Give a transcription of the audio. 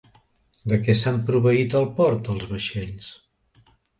De què s'han proveït al port els vaixells?